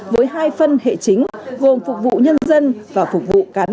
với hai phân hệ chính gồm phục vụ nhân dân và phục vụ cán bộ y tế